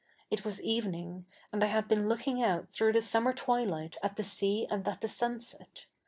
It was evening ; a7id I had been looking out through the summer tivilight at the sea and at the sunset.